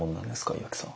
岩木さん。